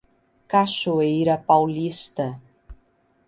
Cachoeira Paulista